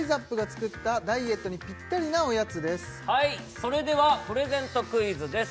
それではプレゼントクイズです